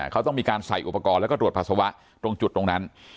เขาต้องมีการใส่อุปกรณ์แล้วก็ตรวจปัสสาวะตรงจุดตรงนั้น